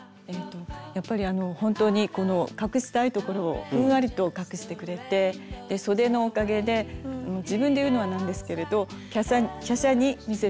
やっぱり本当にこの隠したいところをふんわりと隠してくれてそでのおかげで自分で言うのはなんですけれどきゃしゃに見せてくれる気がします。